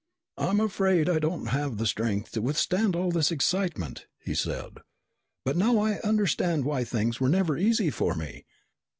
"I'm afraid I don't have the strength to withstand all this excitement," he said. "But now I understand why things were never easy for me.